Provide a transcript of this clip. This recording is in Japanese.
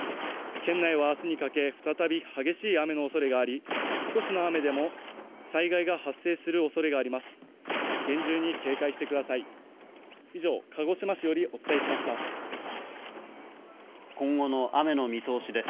県内は明日にかけ、再び激しい雨の恐れがあり、少しの雨でも災害が発生する恐れがあります。